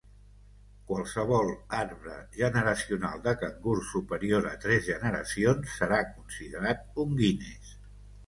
Qualsevol arbre generacional de cangurs superior a tres generacions serà considerat un Guinness.